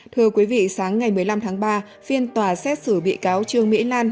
thưa quý vị sáng ngày một mươi năm tháng ba phiên tòa xét xử bị cáo trương mỹ lan